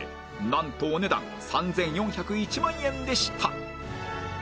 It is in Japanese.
なんとお値段３４０１万円でした